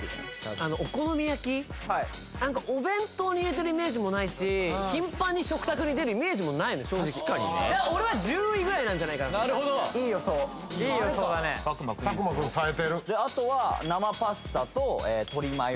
あのお好み焼お弁当に入れてるイメージもないし頻繁に食卓に出るイメージもないの正直俺は１０位ぐらいなんじゃないかなと佐久間くんさえてるであとは生パスタと鶏マヨ！